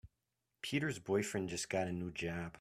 Peter's boyfriend just got a new job.